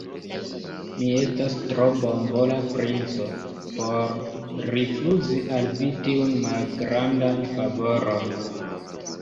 Mi estas tro bonvola princo por rifuzi al vi tiun malgrandan favoron.